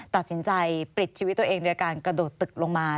ตัดสินใจปลิดชีวิตตัวเองโดยการกระโดดตึกลงมา